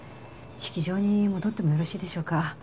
式場に戻ってもよろしいでしょうか？